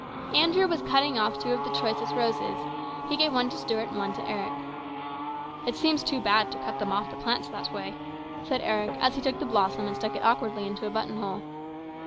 Andrew was cutting off two of the choicest roses. He gave one to Stuart and one to Eric. " It seems too bad to cut them off the plants that way," said Eric as he took the blossom and stuck it awkwardly into a buttonhole.